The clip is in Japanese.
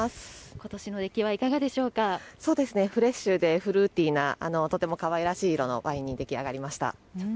ことしの出来はいかがでしょそうですね、フレッシュでフルーティーな、とてもかわいらしい色のワインに出来上がりました。